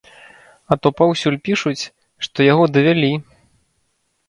А то паўсюль пішуць, што яго давялі!